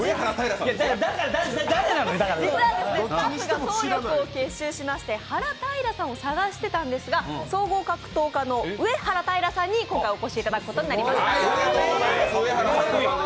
実は総力を結集しましてはらたいらさんを探してたんですが、総合格闘家の上原平さんに今回お越しいただくことになりました。